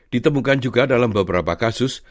ditemukan juga dalam beberapa kasus